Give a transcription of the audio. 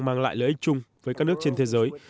mang lại lợi ích chung với các nước trên thế giới